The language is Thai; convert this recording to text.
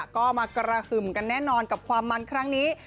ก็มากระหึ่มกันแน่นอนกับความมันครั้งนี้